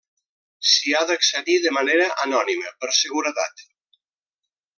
S'hi ha d'accedir de manera anònima per seguretat.